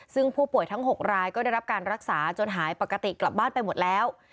ซึ่งผู้ป่วยทั้ง๖รายก็ได้รับการรักษาจนหายปกติกลับบ้านไปหมดแล้ว